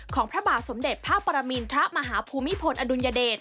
พระบาทสมเด็จพระปรมินทรมาฮภูมิพลอดุลยเดช